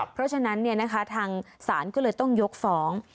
เพราะฉะนั้นทางศาลก็เลยต้องยกฟ้อง